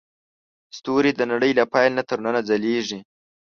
ستوري د نړۍ له پیل نه تر ننه ځلېږي.